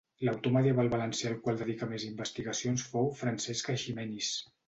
L'autor medieval valencià al qual dedicà més investigacions fou Francesc Eiximenis.